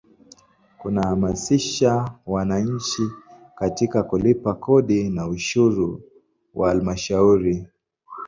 Kuhamasisha wananchi katika kulipa kodi na ushuru wa Halmashauri.